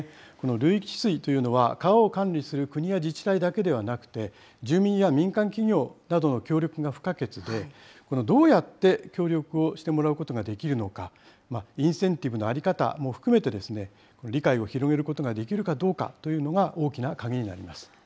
流域治水というのは、川を管理する国や自治体だけではなくて、住民や民間企業などの協力が不可欠で、どうやって協力をしてもらうことができるのか、インセンティブの在り方も含めて、理解を広げることができるかどうかというのが大きな鍵になります。